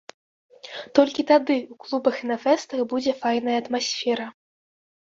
Толькі тады ў клубах і на фэстах будзе файная атмасфера.